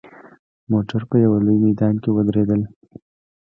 موټر په یوه لوی میدان کې ودرېدل.